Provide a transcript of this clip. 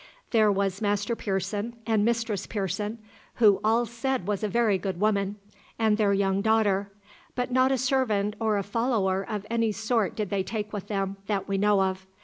There was Master Pearson, and Mistress Pearson, who all said was a very good woman, and their young daughter; but not a servant or a follower of any sort did they take with them, that we know of.